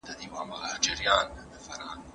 ما ورته وویل چې وړي دې او تر ما دې راوړي